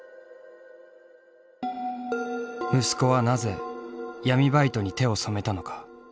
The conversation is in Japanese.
息子はなぜ闇バイトに手を染めたのか。